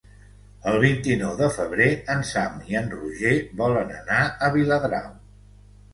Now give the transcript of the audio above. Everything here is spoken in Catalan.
El vint-i-nou de febrer en Sam i en Roger volen anar a Viladrau.